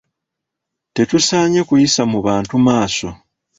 Tetusaanye kuyisa mu bantu maaso.